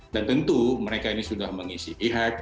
dan tentu mereka ini sudah mengisi e hack